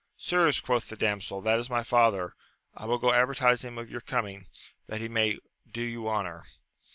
Sirs, quoth the damsel, that is my father : I will go advertise him of your coming, that he may do you honour.